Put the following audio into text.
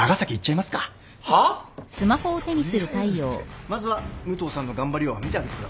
まずは武藤さんの頑張りを見てあげてくださいよ。